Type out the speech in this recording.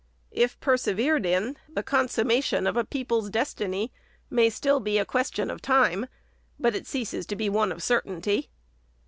If persevered in, the consummation of a people's destiny may still be a question of time, but it ceases to be one of certainty.